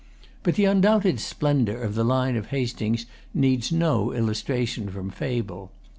But the undoubted splendor of the line of Hastings needs no illustration from fable.